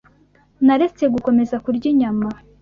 naretse gukomeza kurya inyama